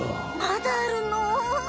まだあるの？